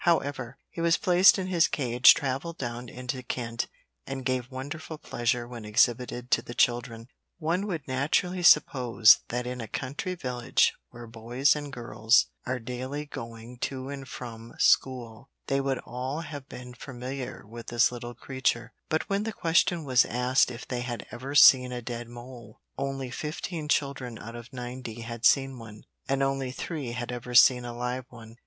However, he was placed in his cage, travelled down into Kent, and gave wonderful pleasure when exhibited to the children. One would naturally suppose that in a country village where boys and girls are daily going to and from school, they would all have been familiar with this little creature, but when the question was asked if they had ever seen a dead mole, only fifteen children out of ninety had seen one, and only three had ever seen a live one.